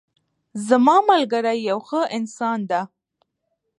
زما ملګری یو ښه انسان ده